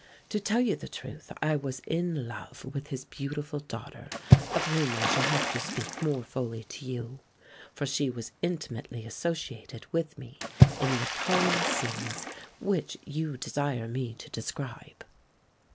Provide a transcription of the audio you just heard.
To tell you the truth, I was in love with his beautiful daughter, of whom I shall have to speak more fully to you, for she was intimately associated with me in the appalling scenes which you desire me to describe.